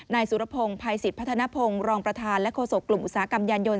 นายสุรพงศ์ภัยสิทธิพัฒนภงรองประธานและโฆษกกลุ่มอุตสาหกรรมยานยนต